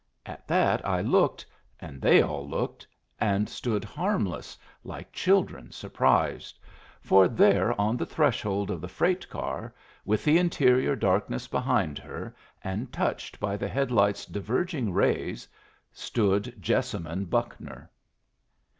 At that I looked, and they all looked, and stood harmless, like children surprised. For there on the threshold of the freight car, with the interior darkness behind her, and touched by the headlight's diverging rays, stood Jessamine Buckner.